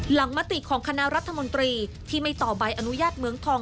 มติของคณะรัฐมนตรีที่ไม่ต่อใบอนุญาตเมืองทอง